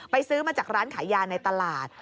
ซื้อมาจากร้านขายยาในตลาด